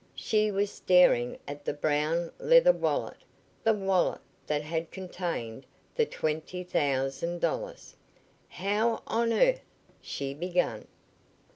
She was staring at the brown leather wallet the wallet that had contained the twenty thousand dollars. "How on earth " she began.